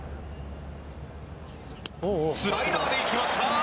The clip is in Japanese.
スライダーでいきました。